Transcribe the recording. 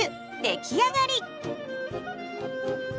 出来上がり。